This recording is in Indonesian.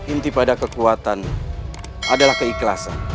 inti pada kekuatan adalah keikhlasan